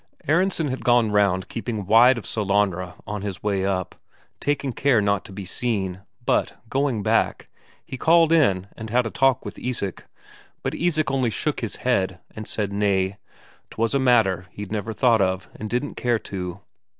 Aronsen had gone round keeping wide of Sellanraa on his way up, taking care not to be seen; but, going back, he called in and had a talk with Isak. But Isak only shook his head and said nay, 'twas a matter he'd never thought of, and didn't care to.